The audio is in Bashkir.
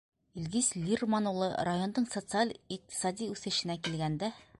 — Илгиз Лирман улы, райондың социаль-иҡтисади үҫешенә килгәндә...